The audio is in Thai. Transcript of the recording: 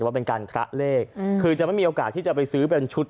ว่าเป็นการคละเลขคือจะไม่มีโอกาสที่จะไปซื้อเป็นชุด